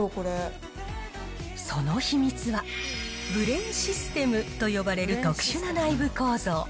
その秘密は、ブレンシステムと呼ばれる特殊な内部構造。